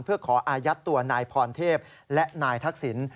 เพื่อขออายัดตัวนายพรเทพและนายทักษิณ